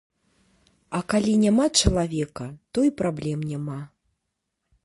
А калі няма чалавека, то і праблем няма.